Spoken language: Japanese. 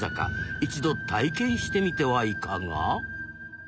一度体験してみてはいかが？